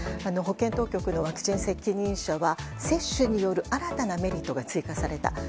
保健当局のワクチン責任者は接種による新たなメリットが追加された。